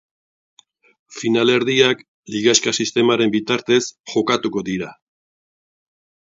Finalerdiak ligaxka sistemaren bitartez jokatuko dira.